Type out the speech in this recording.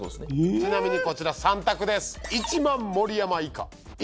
ちなみにこちら３択です。